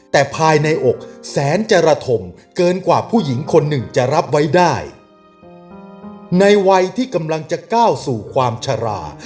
แต่ภายในอกแสนจรฐมเกินกว่าผู้หญิงคนหนึ่งจะรับไว้ได้ในวัยที่กำลังจะก้าวสู่ความชะลา